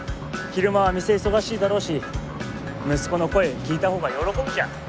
昼間は店忙しいだろうし息子の声聞いたほうが喜ぶじゃん。